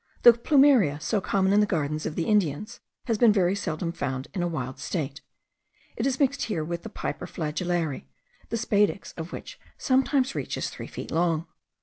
The plumeria, so common in the gardens of the Indians, has been very seldom found in a wild state. It is mixed here with the Piper flagellare, the spadix of which sometimes reaches three feet long.